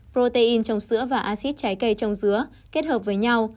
protein trong sữa và acid trái cây trồng dứa kết hợp với nhau